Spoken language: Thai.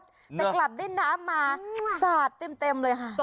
เนี่ยแต่กลับได้น้ำมาสาดเต็มเต็ม